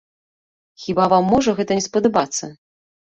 Хіба вам можа гэта не спадабацца?